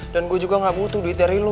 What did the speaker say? dan gue juga nggak butuh duit dari lo